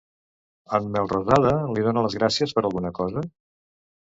En Melrosada li dona les gràcies per alguna cosa?